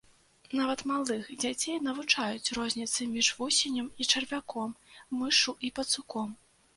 Нават малых дзяцей навучаюць розніцы між вусенем і чарвяком, мышшу і пацуком.